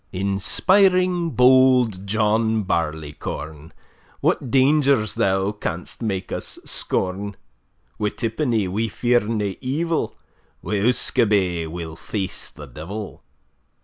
Inspiring bold John Barleycorn! What dangers thou canst make us scorn; Wi' tippenny, we fear nae evil; Wi' usquabae we'll face the devil!